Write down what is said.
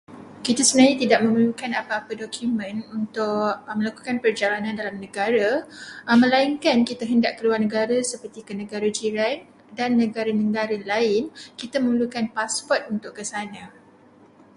Kita sebenarnya tidak memerlukan apa-apa dokumen untuk melakukan perjalanan di dalam negara. Melainkan kita hendak ke negara jiran, dan negara-negara lain. Kita memerlukan pasport untuk ke sana.